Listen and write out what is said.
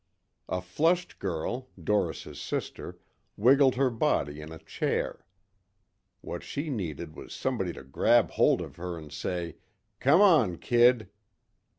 A flushed girl, Doris' sister, wiggling her body in a chair. What she needed was somebody to grab hold of her and say, "Come on kid."